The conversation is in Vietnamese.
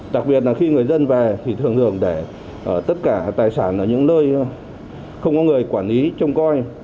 đặc biệt là khi người dân về thì thường hưởng để tất cả tài sản ở những nơi không có người quản lý trông coi